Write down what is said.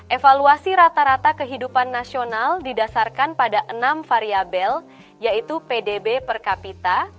evaluasi rata rata kehidupan nasional didasarkan pada enam variabel yaitu pdb per kapita